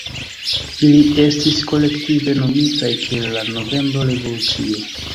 Ili estis kolektive nomitaj kiel la "Novembro Revolucio".